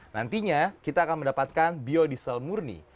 nantinya kita akan mendapatkan biodiesel murni